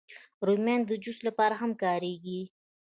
رومیان د جوس لپاره هم کارېږي